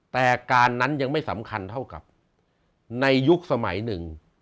แต่การนั้นยังไม่สำคัญเท่ากับในยุคสมัยหนึ่ง